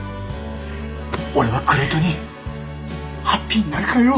俺はグレイトにハッピーになるからよ！